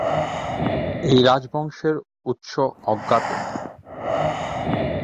এই রাজবংশের উৎস অজ্ঞাত।